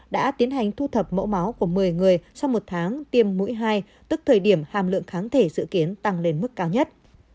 đã tiến hành thu thập mẫu máu của một mươi người sau một tháng tiêm mũi hai tức thời điểm hàm lượng kháng thể dự kiến tăng lên mức cao nhất